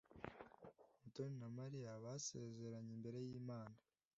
Mutoni na Mariya basezeranye imbere y’Imana.